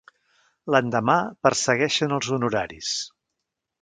L'endemà, persegueixen els honoraris.